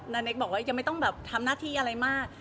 เนคบอกว่ายังไม่ต้องแบบทำหน้าที่อะไรมาก